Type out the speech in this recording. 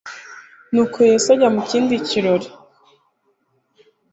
Nuko Yesu ajya mu kindi kirorero.